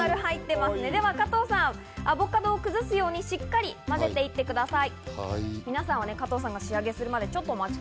では加藤さん、アボカドを崩すように、しっかりとまぜていってください。